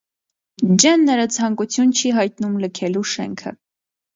Ջենները ցանկություն չի հայտնում լքելու շենքը։